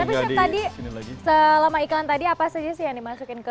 jadi tadi selama iklan tadi apa saja sih yang dimasukin ke daging